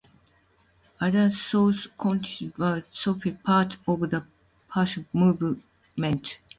Other sources consider the society part of the patriot movement.